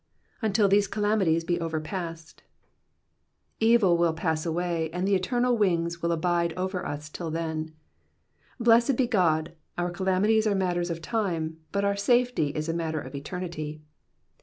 *•' Until these calamities be overpasf^ Evil will pass away, and the eternal wings will abide over us till then. Blessed be God, our calamities are matters of time, but our safety is a matter of eternity.